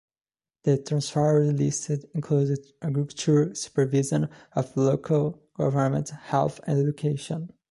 The 'transferred list' included agriculture, supervision of local government, health, and education.